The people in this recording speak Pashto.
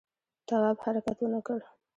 تواب حرکت ونه کړ.